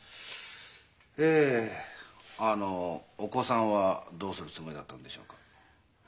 えあのお子さんはどうするつもりだったんでしょうか？